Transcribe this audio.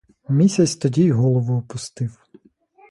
Місяць тоді й голову опустив.